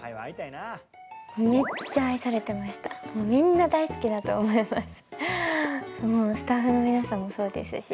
みんな大好きだと思います。